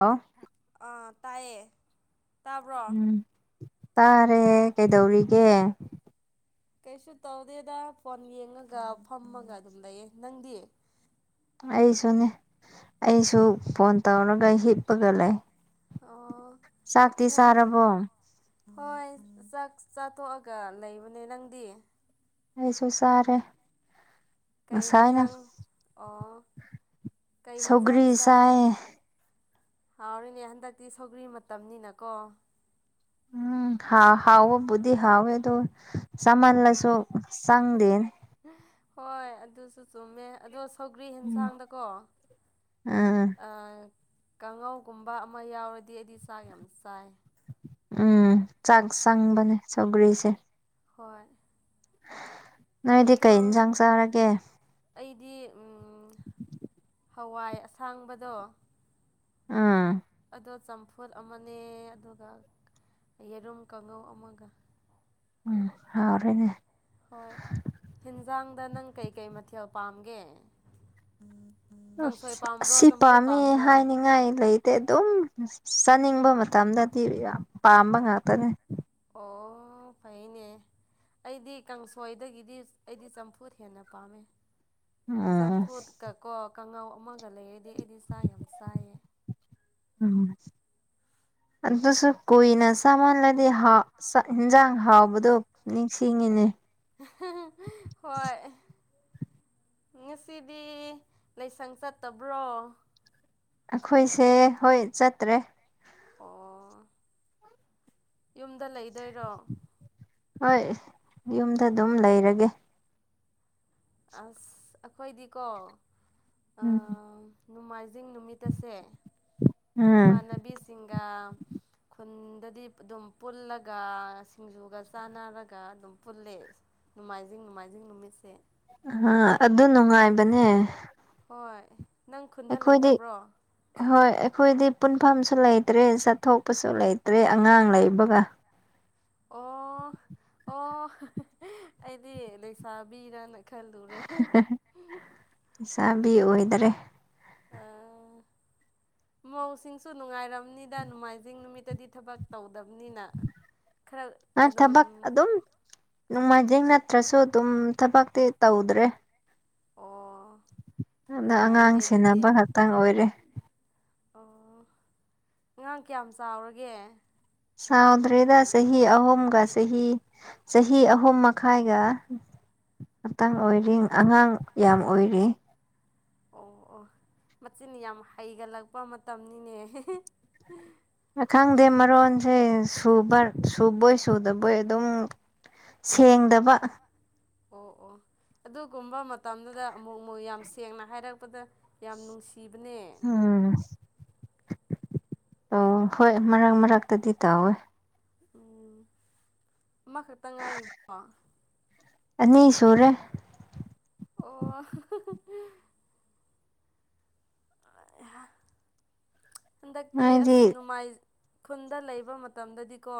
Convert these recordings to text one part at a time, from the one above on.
ꯑꯣ ꯑ ꯇꯥꯏꯌꯦ ꯇꯥꯕ꯭ꯔꯣ ꯎꯝ ꯇꯥꯔꯦ ꯀꯩꯗꯧꯔꯤꯒꯦ ꯀꯩꯁꯨ ꯇꯧꯗꯦꯗ ꯐꯣꯟ ꯌꯦꯡꯉꯒ ꯐꯝꯃꯒ ꯑꯗꯨꯝ ꯂꯩꯌꯦ ꯅꯪꯗꯤ ꯑꯩꯁꯨꯅꯦ ꯑꯩꯁꯨ ꯐꯣꯟ ꯇꯧꯔꯒ ꯍꯤꯞꯄꯒ ꯂꯩ ꯑꯣ ꯆꯥꯛꯇꯤ ꯁꯥꯔꯕꯣ ꯍꯣꯏ ꯆꯥꯛ ꯆꯥꯊꯣꯛꯑꯒ ꯂꯩꯕꯅꯦ ꯅꯪꯗꯤ ꯑꯗꯨ ꯆꯁꯥꯔꯦ ꯀꯩ ꯌꯦꯦꯟꯖꯥꯡ ꯑꯣ ꯀꯩ ꯍꯦꯟꯖꯥꯡ ꯁꯒꯔꯤ ꯆꯥ ꯁꯥꯏ ꯍꯥꯎꯔꯤꯅꯦ ꯍꯟꯗꯛꯇꯤ ꯁꯧꯒ꯭ꯔꯤ ꯃꯇꯝꯅꯤꯅꯀꯣ ꯎꯝ ꯍꯥꯎ ꯍꯥꯎꯕꯨꯗꯤꯤ ꯍꯋꯦ ꯑꯗꯨ ꯁꯃꯥꯟꯂꯁꯨ ꯆꯥꯡꯗꯦꯟ ꯍꯣꯏ ꯑꯗꯨꯁꯨ ꯆꯨꯝꯃꯦ ꯑꯗꯨ ꯊꯧꯒ꯭ꯔꯤ ꯎꯝ ꯌꯦꯟꯁꯥꯡꯗꯀꯣ ꯎꯝ ꯀꯥꯡꯉꯧꯒꯨꯝꯕ ꯑꯃ ꯌꯥꯎꯔꯗꯤ ꯑꯩꯗꯤ ꯆꯥꯛ ꯌꯥꯝ ꯆꯥꯏ ꯎꯝ ꯆꯥꯛ ꯆꯪ ꯃꯅꯦ ꯆꯒꯔꯤꯁꯦ ꯍꯣꯏ ꯅꯣꯏꯗꯤ ꯀꯩ ꯌꯦꯟꯁꯥꯡ ꯆꯥꯔꯒꯦ ꯑꯃꯗꯤ ꯍꯋꯥꯏ ꯑꯁꯥꯡꯕꯗꯣ ꯑꯥ ꯑꯗꯣ ꯆꯝꯐꯨꯠ ꯑꯃꯅꯦ ꯑꯗꯨꯒ ꯌꯦꯔꯨꯝ ꯀꯥꯡꯉꯧ ꯑꯃꯒ ꯎꯝ ꯍꯔꯅꯦ ꯍꯣꯏ ꯍꯟꯖꯥꯡꯗ ꯅꯪ ꯀꯩꯀꯩ ꯃꯊꯦꯜ ꯄꯥꯝꯒꯦ ꯀꯥꯡꯁꯣꯏ ꯑꯁ ꯄꯥꯝꯕ꯭ꯔꯣ ꯑꯁꯤ ꯆꯝꯐꯨꯠ ꯄꯥꯝꯃꯤ ꯄꯥꯝꯕ꯭ꯔꯣ ꯍꯥꯏꯅꯤꯡꯉꯥꯏ ꯂꯩꯇꯦ ꯑꯗꯨꯝ ꯆꯥꯅꯤꯡꯕ ꯃꯇꯝꯗ ꯇꯤꯕꯒ ꯄꯥꯝꯕ ꯉꯥꯇꯅꯦ ꯑꯣ ꯐꯩꯅꯦ [inaudible] ꯑꯩꯗꯤ ꯀꯥꯡꯁꯣꯏꯗꯒꯤꯗꯤ ꯑꯩꯗꯤ ꯆꯝꯐꯨꯠ ꯍꯦꯟꯅ ꯄꯥꯝꯃꯦ ꯎꯝ ꯆꯝꯐꯨꯠꯀ ꯀꯣ ꯀꯥꯡꯉꯥꯎ ꯑꯃ ꯍꯒꯂꯛꯦꯗꯤ ꯑꯩꯗꯤ ꯆꯥꯛ ꯌꯥꯝ ꯆꯥꯏꯌꯦ ꯎꯝ ꯑꯗꯨꯁꯨ ꯀꯨꯏꯅ ꯆꯥꯃꯜꯂꯗꯤ ꯌꯦꯟꯖꯥꯡ ꯍꯥꯎꯕꯗꯣ ꯅꯤꯡꯁꯤꯡꯉꯤꯅꯦ ꯍꯣꯏ ꯉꯁꯤꯗꯤ ꯂꯥꯏꯁꯪ ꯆꯠꯇꯕ꯭ꯔꯣ ꯑꯩꯈꯣꯏꯁꯦ ꯍꯣꯏ ꯆꯠꯇ꯭ꯔꯦ ꯑꯣ ꯌꯨꯝꯗ ꯂꯩꯗꯣꯏꯔꯣ ꯍꯣꯏ ꯌꯨꯝꯗ ꯑꯗꯨꯝ ꯂꯩꯔꯒꯦ ꯑꯁ ꯑꯩꯈꯣꯏꯗꯤꯀꯣ ꯎꯝ ꯅꯣꯡꯃꯥꯏꯖꯤꯡ ꯅꯨꯃꯤꯠ ꯑꯁꯦ ꯎꯝ ꯏꯃꯥꯟꯅꯕꯤꯁꯤꯡꯒ ꯈꯨꯟ ꯗꯗꯤ ꯑꯗꯨꯝ ꯄꯨꯜꯂꯒ ꯁꯤꯡꯖꯨꯒ ꯆꯥꯟꯅꯔꯒ ꯑꯗꯨꯝ ꯄꯨꯜꯂꯦꯉꯥꯏꯖꯤꯡ ꯅꯨꯃꯥꯏꯖꯤꯡ ꯅꯨꯃꯤꯃꯦꯁꯦ ꯑ ꯑꯗꯨ ꯑꯗꯨ ꯅꯅꯨꯡꯉꯥꯏꯕꯅꯦ ꯑꯣꯏꯣꯏ ꯑꯩꯈꯣꯏꯗꯤ ꯍꯣꯏ ꯍꯈꯣꯏꯗꯤ ꯄꯨꯟꯐꯝꯁꯨ ꯂꯩꯇ꯭ꯔꯦ ꯆꯠꯊꯣꯛꯄꯁꯨ ꯂꯩꯇ꯭ꯔꯦ ꯑꯉꯥꯡ ꯂꯩꯕꯒ ꯑꯣ ꯑꯣ ꯑꯩꯗꯤ ꯂꯦꯛꯁꯥꯕꯤꯔꯅ ꯆꯥꯕꯤ ꯑꯣꯏꯍꯤꯗꯔꯦ ꯑꯥ [inaudible] ꯃꯧꯁꯤꯡꯁꯨ ꯅꯨꯡꯉꯥꯏꯔꯝꯅꯤꯗ ꯅꯣꯡꯃꯥꯏꯖꯤꯡ ꯅꯨꯃꯤꯠꯇꯗꯤ ꯊꯕꯛ ꯇꯧꯗ ꯕꯅꯤꯅ ꯈꯔ ꯅꯪ ꯑꯗꯨꯝ ꯖꯤꯤꯡ ꯅꯠꯇ꯭ꯔꯁꯨ ꯑꯗꯨꯝ ꯊꯕꯛꯇꯤ ꯇꯧꯗ꯭ꯔꯦ ꯑꯣ ꯑꯗ ꯑꯉꯥꯡ ꯅꯨꯡꯉꯥꯏꯅꯦ ꯑꯗꯨꯗꯤ ꯁꯦꯟꯅꯕ ꯈꯛꯇꯪ ꯑꯣꯏꯔꯦ ꯑꯣ ꯑꯉꯥꯡ ꯀꯌꯥꯝ ꯆꯥꯎꯔꯒꯦ ꯁꯥꯎꯗ꯭ꯔꯦꯗ ꯆꯍꯤ ꯑꯍꯨꯝꯒ ꯆꯍꯤ ꯆꯍꯤ ꯑꯍꯨꯝ ꯃꯈꯥꯏꯒ ꯃꯇꯥꯡ ꯑꯣ ꯑꯣꯏꯔꯤ ꯑꯣ ꯑꯉꯥꯡ ꯌꯥꯝ ꯑꯣꯏꯔꯤ ꯑꯣ ꯑꯣ ꯃꯆꯤꯡ ꯌꯥꯝ ꯍꯩꯒꯠꯂꯛꯄ ꯃꯇꯝꯅꯤꯅꯦ ꯈꯪꯗꯦ ꯃꯔꯣꯟꯁꯦ ꯁꯨꯕꯣꯏ ꯁꯨꯗꯕꯣꯏ ꯑꯗꯨꯝ ꯑꯥ ꯁꯦꯡꯗꯕ ꯑꯣ ꯑꯣ ꯑꯗꯨꯒꯨꯝꯕ ꯃꯇꯝꯗꯨꯗ ꯑꯃꯨꯛ ꯃꯨꯛ ꯌꯥꯝ ꯁꯦꯡꯅ ꯍꯥꯏꯔꯛꯄꯗ ꯌꯥꯝ ꯅꯨꯡꯁꯤ ꯁꯤꯕꯅꯦ ꯎꯝ ꯑꯣ ꯍꯣꯏ ꯃꯔꯛ ꯃꯔꯛꯇꯗꯤ ꯇꯥꯑꯦ ꯎꯝ ꯑꯃꯈꯛꯇ ꯉꯥꯏꯔꯤꯕꯣ ꯑꯅꯤ ꯁꯨꯔꯦ ꯑꯣ ꯍꯟꯗꯛꯇꯤ ꯅꯣꯏꯗꯤ ꯑꯁ ꯅꯣꯡꯃꯥꯏ ꯈꯨꯟꯗ ꯂꯩꯕ ꯃꯇꯝꯗꯗꯤꯀꯣ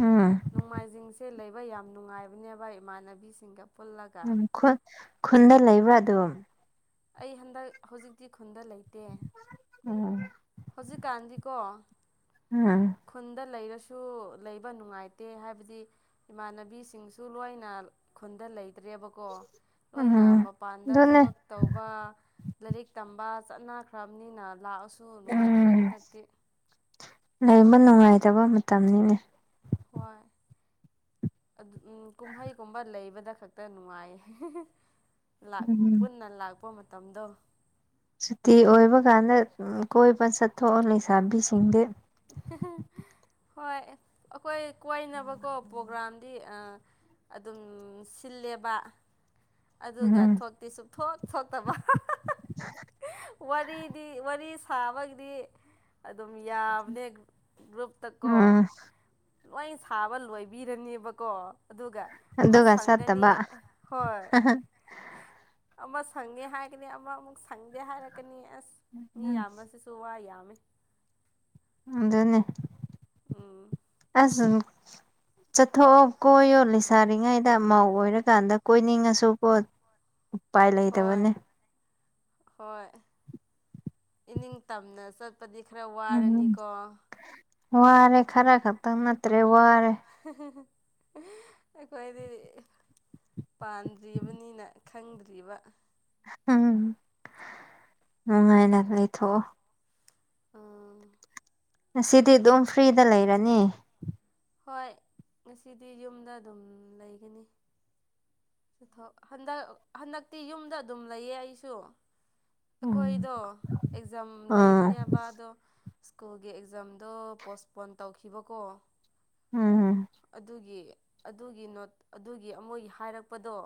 ꯎꯝ ꯅꯣꯡꯃꯥꯏꯖꯤꯡꯁꯦ ꯂꯩꯕ ꯌꯥꯝ ꯅꯨꯡꯉꯥꯏꯕꯅꯦꯕ ꯏꯃꯥꯟꯅꯕꯤꯁꯤꯡꯒ ꯄꯨꯜꯂꯒ ꯎꯝ ꯈꯨ ꯈꯨꯟꯗ ꯂꯩꯕ꯭ꯔꯥ ꯑꯗꯨꯝ ꯑꯩ ꯍꯟꯗꯛ ꯍꯧꯖꯤꯛꯇꯤ ꯈꯨꯟꯗ ꯂꯩꯇꯦ ꯎꯝ ꯍꯧꯖꯤꯛꯀꯥꯟꯗꯤꯀꯣ ꯎꯝ ꯈꯨꯟꯗ ꯂꯩꯔꯁꯨ ꯁꯨ ꯂꯩꯕ ꯅꯨꯡꯉꯥꯏꯇꯦ ꯍꯥꯏꯕꯗꯤ ꯏꯃꯥꯟꯅꯕꯤꯁꯤꯡꯁꯨ ꯂꯣꯏꯅ ꯈꯨꯟꯗ ꯂꯩ ꯂꯩꯇꯔꯕꯀꯣ ꯂꯣꯏꯅ ꯎꯝ ꯃꯄꯥꯟꯗ ꯑꯗꯨꯅꯦ ꯊꯕꯛ ꯇꯧꯕ ꯂꯥꯏꯔꯤꯛ ꯇꯝꯕ ꯆꯠꯅꯈ꯭ꯔꯕꯅꯤꯅ ꯂꯥꯛꯑꯁꯨ ꯅꯨꯡꯉꯥꯏꯇ꯭ꯔꯦ ꯎꯝ ꯍꯟꯗꯛꯇꯤ ꯂꯩꯕ ꯅꯨꯡꯉꯥꯏꯇꯕ ꯃꯇꯝꯅꯤꯅꯦ ꯍꯣꯏ ꯎꯝ ꯀꯨꯝꯍꯩꯒꯨꯝꯕ ꯂꯩꯕꯗ ꯈꯛꯇ ꯅꯨꯡꯉꯥꯏꯌꯦ ꯎꯝ ꯄꯨꯟꯅ ꯂꯥꯛꯄ ꯃꯇꯝꯗꯣ ꯁꯨꯇ ꯑꯣꯏꯕ ꯀꯥꯟꯗ ꯀꯣꯏ ꯆꯠꯊꯣꯛꯑꯣ ꯂꯩꯁꯥꯕꯤꯁꯤꯡꯗꯤ [unintelligible] ꯍꯣꯏ ꯑꯩꯈꯣꯏ ꯀꯣꯏꯅꯕꯀꯣ ꯄ꯭ꯔꯣꯒ꯭ꯔꯥꯝꯗꯤ ꯑꯗꯨꯝ ꯁꯤꯜꯂꯦꯕ ꯑꯗꯨꯒ ꯎꯝ ꯊꯣꯛꯇꯤ ꯁꯨꯡ ꯊꯣꯛꯇꯕ ꯋꯥꯔꯤꯗꯤ ꯋꯥꯔꯤ ꯁꯥꯕꯒꯤꯗꯤ ꯑꯗꯨꯝ ꯌꯥꯝꯕꯅꯦ ꯒ꯭ꯔꯨꯞꯇꯀꯣ ꯎꯝ ꯂꯣꯏ ꯁꯥꯕ ꯂꯣꯏꯕꯤꯔꯅꯦꯕꯀꯣ ꯑꯗꯨꯒ ꯑꯃ ꯑꯗꯨꯒ ꯆꯠꯇꯕ ꯁꯪꯒꯅꯤ ꯍꯣꯏ ꯑꯃ ꯁꯪꯉꯦ ꯍꯥꯏꯔꯒꯅꯤ ꯑꯃ ꯑꯃꯨꯛ ꯁꯪꯗꯦ ꯍꯥꯏꯔꯛꯀꯅꯤ ꯑꯁ ꯃꯤ ꯌꯥꯝꯕꯁꯤꯁꯨ ꯋꯥ ꯌꯥꯝ [unintelligible] ꯑꯗꯨꯗꯅꯦ ꯎꯝ ꯑꯁ ꯆꯠꯊꯣꯛꯑꯣ ꯀꯣꯏꯌꯣ ꯂꯩꯁꯥꯔꯤꯉꯩꯗ ꯃꯧ ꯑꯣꯏꯔꯀꯥꯟꯗ ꯀꯣꯏꯅꯤꯡꯉꯁꯨꯀꯣ ꯎꯄꯥꯏ ꯍꯣꯏ ꯂꯩꯇꯕꯅꯦ ꯍꯣꯏ ꯏꯅꯤꯡꯇꯝꯅ ꯆꯠ ꯆꯄꯗꯤ ꯈꯔ ꯋꯥꯏꯔꯅꯤ ꯎꯝ ꯀꯣ ꯋꯥꯔꯦ ꯈꯔ ꯈꯛꯇꯪ ꯅꯠꯇ꯭ꯔꯦ ꯋꯥꯔꯦ ꯑꯩꯈꯣꯏꯗꯤ ꯄꯥꯟꯗ꯭ꯔꯤꯕꯅꯤꯅ ꯈꯪꯗ꯭ꯔꯤꯕ ꯎꯝ ꯅꯨꯉꯥꯏꯅ ꯂꯩꯊꯣꯛꯑꯣ ꯑ ꯉꯁꯤꯗꯤ ꯑꯗꯨꯝ ꯐ꯭ꯔꯤꯗ ꯂꯩꯔꯅꯤ ꯍꯣꯏ ꯉꯁꯤꯗꯤ ꯌꯨꯝꯗ ꯑꯗꯨꯝ ꯂꯩꯒꯅꯤ ꯆꯊꯣꯛ ꯍꯟꯗꯛ ꯍꯟꯗꯛꯇꯤ ꯌꯨꯝꯗ ꯑꯗꯨꯝ ꯂꯩꯌꯦ ꯑꯩꯁꯨ ꯎꯝ ꯑꯩꯈꯣꯏꯗꯣ ꯑꯦꯛꯖꯥꯝ ꯑꯥ ꯂꯩꯕꯅꯦꯕ ꯑꯗꯣ ꯁ꯭ꯀꯨꯜꯒꯤ ꯑꯦꯛꯖꯥꯝꯗꯣ ꯄꯣꯁꯄꯣꯟ ꯇꯧꯈꯤꯕꯀꯣ ꯎꯝ ꯍꯨꯝ ꯑꯗꯨꯒꯤ ꯑꯗꯨꯒꯤ ꯅꯣꯠ ꯑꯗꯨꯒꯤ ꯃꯣꯏꯒꯤ ꯍꯥꯏꯔꯛꯄꯗꯣ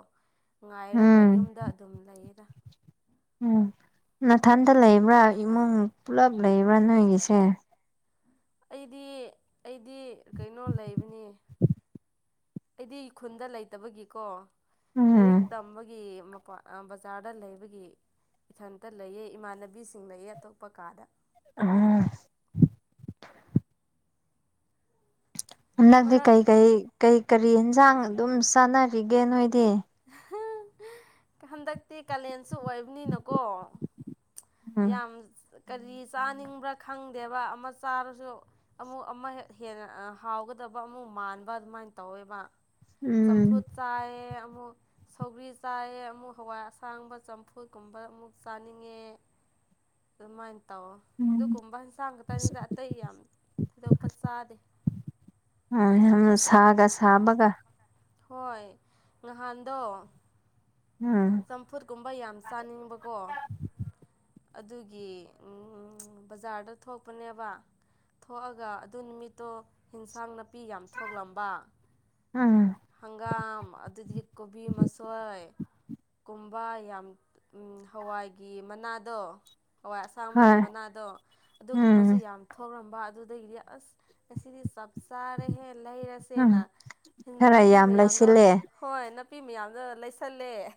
ꯉꯥꯏꯔꯒ ꯎꯝ ꯌꯨꯝꯗ ꯑꯗꯨꯝ ꯂꯩꯌꯦꯗ ꯎꯝ ꯅꯊꯟꯗ ꯂꯩꯕ꯭ꯔꯥ ꯏꯃꯨꯡ ꯄꯨꯂꯞ ꯂꯩꯕ꯭ꯔꯥ ꯅꯣꯏꯒꯤꯁꯦ ꯑꯩꯗꯤ ꯑꯩꯗꯤ ꯀꯩꯅꯣ ꯂꯩꯕꯅꯤ ꯑꯩꯗꯤ ꯈꯨꯟꯗ ꯂꯩꯇꯕꯒꯤꯀꯣ ꯂꯥꯏꯔꯤꯛ ꯎꯝ ꯇꯝꯕꯒꯤ ꯕꯖꯥꯔꯗ ꯂꯩꯕꯒꯤ ꯏꯊꯟꯇ ꯂꯩꯌꯦ ꯏꯃꯥꯟꯅꯕꯤꯁꯤꯡ ꯂꯩꯑꯦ ꯑꯇꯣꯞꯄ ꯀꯥꯗ ꯑꯥ [inaudible] ꯍꯟꯗꯛꯇꯤ ꯃꯔꯛ ꯀꯩꯀꯩ ꯀꯩ ꯀꯔꯤ ꯌꯦꯟꯁꯥꯡ ꯑꯗꯨꯝ ꯆꯥꯟꯅꯔꯤꯒꯦ ꯅꯣꯏꯗꯤ ꯍꯟꯗꯛꯇꯤ ꯀꯥꯂꯦꯟꯁꯨ ꯑꯣꯏꯕꯅꯤꯅꯀꯣ ꯎꯝ ꯌꯥꯝ ꯀꯔꯤ ꯆꯥꯅꯤꯡꯕ꯭ꯔꯥ ꯈꯪꯗꯦꯕ ꯑꯃ ꯆꯥꯔꯁꯨ ꯑꯃꯨꯛ ꯑꯃ ꯍꯦꯟꯅ ꯍꯥꯎꯒꯗꯕ ꯑꯃꯨꯛ ꯃꯥꯟꯕ ꯑꯗꯨꯃꯥꯏꯅ ꯇꯧꯋꯦꯕ ꯎꯝ ꯆꯝꯐꯨꯠ ꯆꯥꯏ ꯑꯃꯨꯛ ꯁꯧꯒ꯭ꯔꯤ ꯆꯥꯏꯌꯦ ꯑꯃꯨꯛ ꯍꯋꯥꯏ ꯑꯁꯥꯡꯕ ꯆꯝꯐꯨꯠ ꯀꯨꯝꯕ ꯑꯃꯨꯛ ꯆꯥꯅꯤꯡꯉꯦ ꯑꯥꯗꯨꯃꯥꯏ [inaudible] ꯇꯧ ꯑꯗꯨꯒꯨꯝꯕ ꯌꯦꯟꯁꯥꯡ ꯈꯛꯇꯅꯤꯗ ꯑꯇꯩ ꯌꯥꯝ ꯊꯣꯏꯗꯣꯛꯄ ꯆꯥꯗꯦ ꯑꯝ ꯌꯥꯝ ꯁꯥꯒ ꯁꯥꯕꯒ ꯍꯣꯏ ꯅꯥꯍꯜꯗꯣ ꯎꯝ ꯆꯝꯐꯨꯠꯀꯨꯝꯕ ꯌꯥꯝ ꯆꯥꯅꯤꯡꯕꯀꯣ ꯑꯗꯨꯒꯤ ꯕꯖꯥꯔꯗ ꯊꯣꯛꯄꯅꯦꯕ ꯊꯣꯛꯑꯒ ꯑꯗꯨ ꯅꯨꯃꯤꯠꯇꯣ ꯌꯦꯟꯁꯥꯡꯅ ꯅꯥꯄꯤ ꯌꯥꯝ ꯊꯣꯛꯂꯝꯕ ꯎꯝ ꯍꯪꯒꯥꯝ ꯑꯗꯨꯗꯤ ꯀꯣꯕꯤ ꯃꯁꯣꯏ ꯀꯨꯝꯕ ꯌꯥꯝ ꯍꯋꯥꯏꯒꯤ ꯃꯅꯥ ꯗꯣ ꯍꯥꯋꯥꯢ ꯑꯁꯥꯡꯕꯒꯤ ꯍꯣꯏ ꯃꯅꯥꯗꯣ ꯑꯗꯨꯒꯨꯝꯕꯥꯁꯨ ꯎꯝ ꯌꯥꯝ ꯊꯣꯛ ꯑꯗꯨꯗꯒꯤꯗꯤ ꯑꯁ ꯉꯥꯁꯤꯗꯤ [inaudible] ꯆꯥꯔꯦꯍꯦ ꯎꯝ ꯂꯩꯔꯁꯦꯅ ꯈꯔ ꯅꯥꯄꯤ ꯌꯥꯝ ꯂꯩꯁꯤꯜꯂꯦ ꯃꯌꯥꯝꯗꯣ ꯍꯣꯏ ꯅꯄꯤ ꯃꯌꯥꯝꯗꯣ ꯂꯩꯁꯜꯂꯦ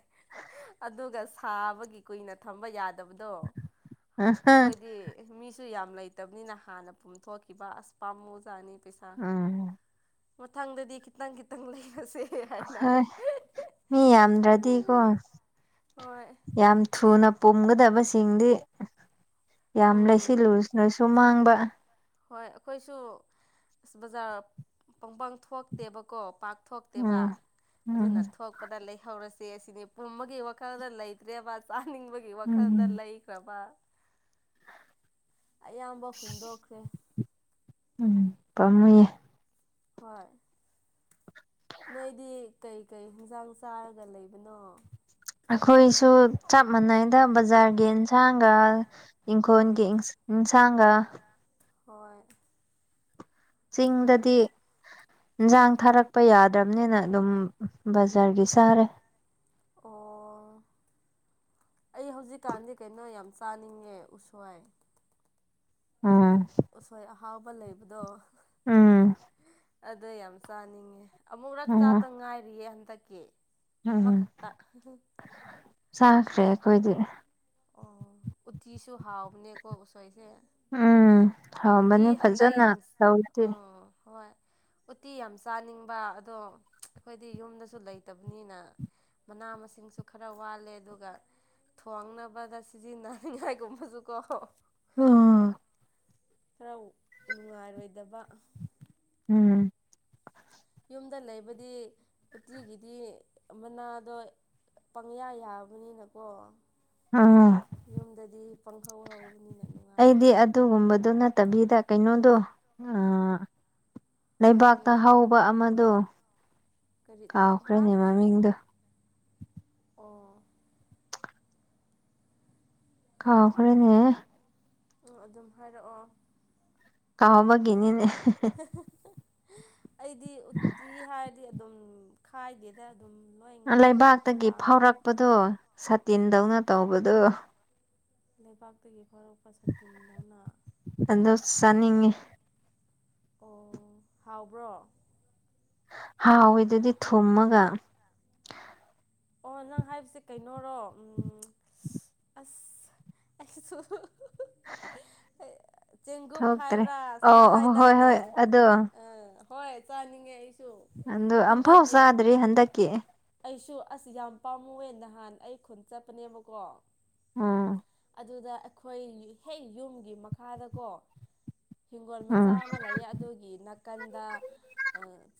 ꯑꯗꯨꯒ ꯁꯥꯕꯒꯤ ꯀꯨꯏꯅ ꯊꯝꯕ ꯌꯥꯗꯦ ꯕꯗꯣ ꯑꯩꯈꯣꯏꯗꯤ ꯃꯤ ꯁꯨ ꯌꯥꯝ ꯂꯩꯇꯕꯅꯤꯅ ꯍꯥꯟꯅ ꯄꯨꯝꯊꯣꯛꯈꯤꯕ ꯑꯁ ꯄꯥꯝꯃꯨꯖꯥꯠꯅꯤ ꯄꯩꯁꯥ ꯎꯝ ꯃꯊꯪꯗꯗꯤ ꯈꯤꯇꯪ ꯈꯤꯇꯪ ꯂꯩꯔꯁꯦ ꯍꯥꯏꯅꯔꯦ ꯍꯣꯏ ꯃꯤ ꯌꯥꯝꯗ꯭ꯔꯗꯤꯀꯣ ꯍꯣꯏ ꯌꯥꯝ ꯊꯨꯅ ꯄꯨꯝꯒꯗꯕꯁꯦ ꯆꯤꯡꯗꯤ ꯌꯥꯝ ꯎꯝ ꯂꯩꯥꯁꯤꯜꯂꯨꯔ꯭ꯁꯨ ꯃꯥꯡꯕ ꯍꯣꯏ ꯑꯩꯈꯣꯏꯁꯨ ꯕꯖꯥꯔ ꯄꯪꯄꯪ ꯊꯣꯛꯛꯇꯦꯕꯀꯣ ꯄꯥꯛ ꯊꯣꯛꯇꯦꯕ ꯎꯝ ꯑꯗꯨꯅ ꯎꯝ ꯊꯣꯛꯄꯗ ꯂꯩꯍꯧꯔꯁꯤ ꯁꯦ ꯁꯤꯅꯤ ꯄꯨꯝꯕꯒꯤ ꯋꯥꯈꯜꯗ ꯂꯩꯇ꯭ꯔꯦꯕ ꯆꯥꯅꯤꯡꯕꯒꯤ ꯋꯥꯈꯜꯗ ꯎꯝ ꯂꯩꯈ꯭ꯔꯕ ꯑꯌꯥꯝꯕ ꯍꯨꯟꯗꯣꯛꯈ꯭ꯔꯦ ꯎꯝ ꯄꯝꯃꯨꯌꯦ ꯍꯣꯏ ꯅꯣꯏꯗꯤ ꯀꯩꯀꯩ ꯌꯦꯟꯁꯥꯡ ꯆꯥꯔꯒ ꯂꯩꯕꯅꯣ ꯑꯩꯈꯣꯏꯁꯨ ꯆꯞ ꯃꯥꯟꯅꯩꯗ ꯕꯖꯥꯔꯒꯤ ꯑꯦꯟꯁꯥꯡꯒ ꯏꯪꯈꯣꯜꯒꯤ ꯑꯥ ꯏꯟꯁꯥꯡꯒ ꯍꯣꯏ ꯆꯤꯡꯗꯗꯤ ꯏꯟꯁꯥꯡ ꯊꯥꯔꯛꯄ ꯌꯥꯗ꯭ꯔꯕꯅꯤꯅ ꯑꯗꯨꯝ ꯕꯖꯥꯔꯒꯤ ꯆꯥꯔꯦ [unintelligible] ꯑꯣ [inaudible] ꯑꯩ ꯍꯧꯖꯤꯛꯀꯥꯟꯗꯤ ꯀꯩꯅꯣ ꯌꯥꯝ ꯆꯥꯅꯤꯡꯉꯦ ꯎꯁꯣꯏ ꯎꯝ ꯑꯁꯣꯏ ꯑꯍꯥꯎꯕ ꯂꯩꯕꯗꯣ ꯎꯝ ꯑꯗ ꯌꯥꯝ ꯆꯥꯅꯤꯡꯉꯦ ꯑꯃꯨꯛꯨꯔꯛ ꯆꯥꯇ ꯉꯥꯏꯔꯤꯌꯦ ꯍꯟꯗꯛꯀꯤ ꯎꯝꯝ ꯑꯃꯈꯛꯇ ꯆꯥꯈ꯭ꯔꯦ ꯑꯩꯈꯣꯏꯗꯤ ꯑꯣ ꯎꯠꯇꯤꯁꯨ ꯍꯥꯎꯕꯅꯦꯀꯣ ꯎꯁꯣꯏꯁꯦ ꯎꯝ ꯍꯥꯎ ꯎꯇꯤ ꯃꯅꯤ ꯍꯟꯗꯛ ꯐꯖꯅ ꯇꯧꯗ ꯎꯠꯇꯤ ꯌꯥꯝ ꯆꯥꯅꯤꯡꯕ ꯑꯗꯣ ꯑꯩꯈꯣꯏꯗꯤ ꯌꯨꯝꯗꯁꯨ ꯂꯩꯇꯕꯅꯤꯅ ꯃꯅꯥ ꯃꯁꯤꯡꯁꯨ ꯈꯔ ꯋꯥꯠꯂꯦ ꯑꯗꯨꯒ ꯊꯣꯡꯅꯕ ꯗ ꯁꯤꯗꯤꯅꯅꯤ ꯉꯥꯏ ꯀꯨꯝꯕꯁꯨꯀꯣ ꯑꯥ [unintelligible] [inaudible] ꯈꯔ ꯅꯨꯡꯉꯥꯏꯔꯣꯏꯗꯕ ꯎꯝ ꯌꯨꯝꯗ ꯂꯩꯕꯗꯤ ꯎꯇꯤꯒꯤꯗꯤ ꯃꯅꯥꯗꯣ ꯄꯪꯌꯥ ꯌꯥꯕꯅꯤꯅꯀꯣ ꯎꯝ ꯌꯨꯝꯗꯗꯤ ꯄꯪꯍꯧ ꯍꯧꯕꯅꯤꯅ ꯅꯨꯡꯉꯥꯏꯕ ꯑꯩꯗꯤ ꯑꯗꯨꯒꯨꯝꯕꯗꯨ ꯅꯠꯇꯕꯤꯗ ꯀꯩꯅꯣꯗꯣ ꯑ ꯍꯋꯥꯏ ꯂꯩꯕꯥꯛꯇ ꯃꯪꯒꯜ ꯍꯧꯕ ꯑꯃꯗꯣ ꯀꯔꯤ ꯇꯝ ꯍꯥ ꯀꯥꯎꯈ꯭ꯔꯦꯅꯦ ꯃꯥꯃꯤꯡꯗ ꯑꯣ ꯀꯥꯈꯔꯦꯅꯦ ꯑꯗꯨꯝ ꯍꯥꯏꯔꯛꯑꯣ ꯀꯥꯎꯕꯒꯤꯦꯅꯤꯅꯦ ꯑꯩꯗꯤ ꯎꯠꯇꯤ ꯍꯥꯏꯔꯗꯤ ꯑꯗꯨꯝ ꯈꯥꯏꯒꯦꯗ ꯂꯩꯕꯥꯛꯇꯒꯤ ꯐꯥꯎꯔꯛꯄꯗꯣ ꯁꯥꯇꯤꯟꯗꯧꯅ ꯇꯧꯕꯗꯨꯣ ꯂꯩꯕꯥꯛꯇꯒꯤ ꯍꯔ ꯄ ꯁꯇꯗꯅ ꯑꯗꯨ ꯆꯥꯅꯤꯡꯉꯤ ꯑꯣ ꯍꯥꯎꯕ꯭ꯔꯣ ꯍꯥꯎꯋꯦꯗꯨꯗꯤ ꯊꯨꯝꯃꯒ ꯑꯣ ꯅꯪ ꯍꯥꯏꯁꯦ ꯀꯩꯅꯣꯔꯣ ꯎꯝ ꯑꯁ ꯑꯁꯨ [inaudible] ꯆꯦꯡꯒꯨꯞ ꯊꯣꯛꯇ꯭ꯔꯦ ꯍꯥꯏꯕ꯭ꯔꯥ ꯁꯨꯃ ꯑꯧ ꯑꯍꯣ ꯍꯣꯏ ꯍꯥꯏꯗꯥꯏꯅꯦ ꯍꯣꯏ ꯑꯗꯣ ꯑꯝ ꯍꯣꯏ ꯆꯅꯤꯡꯉꯦ ꯑꯗ ꯑꯐ ꯍꯁ꯭ꯔꯔꯤ ꯍꯟꯗꯀꯤꯦ ꯑꯩꯁꯨ ꯑꯁ ꯌꯥꯝ ꯄꯥꯝꯃꯨꯋꯦ ꯅꯍꯥꯟ ꯑꯩ ꯈꯨꯟ ꯆꯠꯄꯅꯦꯕꯀꯣ ꯑꯥ ꯑꯗꯨꯗ ꯑꯩꯈꯣꯏ ꯍꯦꯛ ꯌꯨꯝꯒꯤ ꯃꯈꯥꯗꯀꯣ ꯍꯤꯡꯒꯣꯜ ꯎꯝ ꯃꯆꯥ ꯑꯃ ꯂꯩꯌꯦ ꯑꯗꯨꯒꯤ ꯅꯥꯀꯟꯗ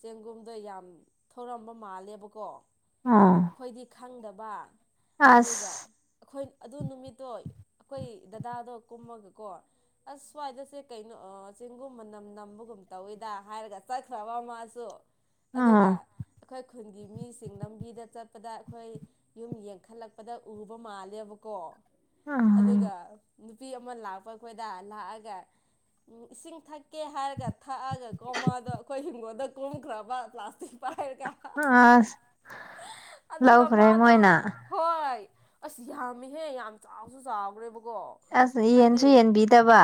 ꯆꯦꯡꯒꯨꯝ ꯑꯗꯣ ꯌꯥꯝ ꯊꯧꯔꯝꯕ ꯃꯥꯜꯂꯦꯕꯀꯣ ꯑꯣ ꯑꯩꯈꯣꯏꯗꯤ ꯈꯪꯗꯕ ꯑꯗꯨꯒ ꯑꯁ ꯑꯩꯈꯣꯏ ꯑꯗꯨ ꯅꯨꯃꯤꯠꯇꯣ ꯑꯩꯈꯣꯏ ꯗꯗꯥꯗꯣ ꯀꯨꯝꯃꯒꯀꯣ ꯑꯁ ꯁ꯭ꯋꯥꯏꯗꯁꯦ ꯀꯩꯅꯣ ꯆꯤꯡꯒꯨꯝ ꯃꯅꯝ ꯅꯝꯕꯒꯨꯝ ꯇꯧꯋꯤꯗ ꯍꯥꯏꯔꯒ ꯆꯠꯈ꯭ꯔꯕ ꯑꯃꯁꯨ ꯑꯣ ꯑꯗꯨꯒ ꯑꯩꯈꯣꯏ ꯈꯨꯟꯒꯤ ꯃꯤꯁꯤꯡ ꯂꯝꯕꯤꯗ ꯆꯠ ꯆꯠꯄꯗ ꯑꯩꯈꯣꯏ ꯌꯨꯝ ꯌꯦꯡꯈꯠꯂꯛꯄꯗ ꯎꯕ ꯃꯥꯜꯂꯦꯕꯀꯣ ꯑꯗꯨꯒ ꯎꯝ ꯅꯨꯄꯤ ꯑꯃ ꯂꯥꯛꯄ ꯑꯩꯈꯣꯏꯗ ꯂꯥꯛꯑꯒ ꯎꯝ ꯏꯁꯤꯡ ꯊꯛꯀꯦ ꯍꯥꯏꯔꯒ ꯊꯛꯑꯒ ꯀꯣꯝꯃꯗꯣ ꯑꯩꯈꯣꯏ ꯍꯤꯡꯒꯣꯜꯗ ꯀꯣꯝꯈ꯭ꯔꯕꯥꯁ ꯑ ꯑꯗꯨꯒ ꯃꯥꯗꯣ ꯍꯣꯏ ꯑꯁ ꯌꯥꯝꯃꯤꯍꯦ ꯌꯥꯝ ꯆꯥꯎꯁꯨ ꯆꯥꯎꯈ꯭ꯔꯦꯕ ꯑꯁ ꯌꯦꯟꯁꯨ ꯌꯦꯟꯕꯤꯗꯕ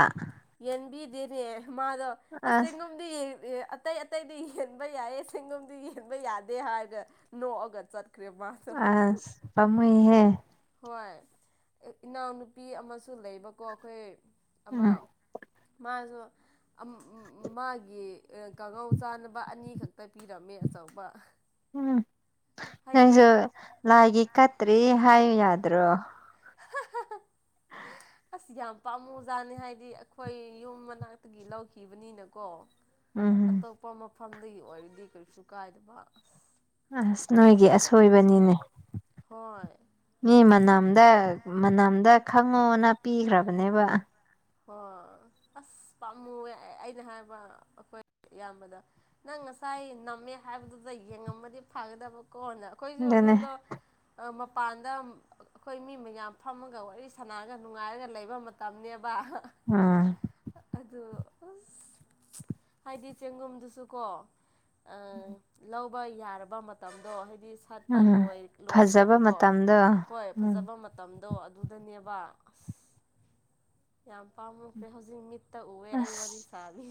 ꯅꯦ ꯃꯥꯗꯣ ꯑꯁ ꯇꯦꯡꯉꯣꯝꯗ ꯑꯦ ꯑꯇꯩ ꯑꯇꯩꯗꯤ ꯌꯦꯟꯕ ꯌꯥꯏꯌꯦ ꯁꯦꯡꯒꯣꯝꯗꯤ ꯌꯦꯟꯕ ꯌꯥꯗꯦ ꯍꯥꯏꯔꯒ ꯅꯣꯛꯑꯒ ꯆꯠ ꯑ ꯄꯝꯨꯍꯦ ꯍꯣꯏ ꯏꯅꯥꯎꯅꯨꯄꯤ ꯑꯃꯁꯨ ꯂꯩꯕꯀꯣ ꯑꯩꯈꯣꯏ ꯑꯃ ꯎꯝ ꯃꯥꯁꯨ ꯃꯥꯒꯤ ꯀꯥꯡꯉꯧ ꯆꯥꯅꯕ ꯑꯅꯤ ꯈꯛꯇ ꯄꯤꯔꯝꯃꯦ ꯑꯆꯧꯕ ꯎꯝ ꯍꯥꯏꯗꯤ ꯅꯪꯁꯨ ꯂꯥꯏꯒꯤ ꯀꯠꯇ꯭ꯔꯤ ꯍꯥꯏꯌ ꯌꯥꯗ꯭ꯔꯣ ꯑ ꯌꯥꯝ ꯄꯥꯝꯃꯨ ꯖꯥꯅꯤ ꯍꯥꯏꯗꯤ ꯑꯩꯈꯣꯏ ꯌꯨꯝ ꯃꯅꯥꯛꯇꯒꯤ ꯂꯧꯈꯤꯕꯅꯤꯅꯀꯣ ꯎꯝ ꯑꯇꯣꯞꯄ ꯃꯐꯝꯗꯒꯤ ꯑꯣꯏꯔꯗꯤ ꯀꯔꯤꯁꯨ ꯀꯥꯏꯗꯕ ꯑꯁ ꯑꯁ ꯅꯣꯏꯒꯤ ꯑꯁꯣꯏꯕꯅꯤꯅꯦ ꯍꯣꯏ ꯃꯤ ꯃꯅꯝꯗ ꯃꯅꯝꯗ ꯈꯪꯉꯣꯅ ꯄꯤꯈ꯭ꯔꯕꯅꯦꯕ ꯍꯣꯏ ꯑꯁ ꯄꯥꯝꯃꯨꯋꯦ ꯑꯩꯅ ꯍꯥꯏꯕ ꯑꯩꯈꯣꯏ ꯑꯌꯥꯝꯕꯗ ꯅꯪ ꯉꯁꯥꯏ ꯅꯝꯃꯦ ꯍꯥꯏꯕꯗꯨꯗ ꯌꯦꯡꯉꯝꯃꯗꯤ ꯐꯒꯗꯕ ꯀꯣꯟꯅ ꯑꯩꯈꯣꯏꯁꯨ ꯑꯗꯨꯅꯦ ꯑꯗꯨꯗ ꯃꯄꯥꯟꯗ ꯑꯩꯈꯣꯏ ꯃꯤ ꯃꯌꯥꯝ ꯐꯝꯃꯒ ꯋꯥꯔꯤ ꯁꯥꯟꯅꯔꯒ ꯅꯨꯡꯉꯥꯏꯔꯒ ꯂꯩꯕ ꯃꯇꯝꯕ ꯎꯝ ꯑꯗꯨ ꯍꯥꯏꯗꯤ ꯆꯦꯡꯒꯨꯝꯗꯨꯁꯨ ꯀꯣ ꯑ ꯂꯧ ꯌꯥꯔꯕ ꯃꯇꯝꯗꯣ ꯍꯥꯏꯗꯤ ꯁꯥꯠꯄ ꯎꯝ ꯐꯖꯕ ꯂꯣꯏꯈ꯭ꯔꯦꯕꯀꯣ ꯃꯇꯝꯗꯣ ꯍꯣꯏ ꯎꯝ ꯐꯖꯕ ꯃꯇꯝꯗꯣ ꯑꯗꯨꯗꯅꯦꯕ ꯑꯁ ꯌꯥꯝ ꯄꯥꯝꯃꯈ꯭ꯔꯦ ꯍꯧꯖꯤꯛ ꯃꯤꯠꯇ ꯎꯑꯦ ꯑꯩ ꯑꯁ ꯋꯥꯔꯤ ꯁꯥꯔꯤ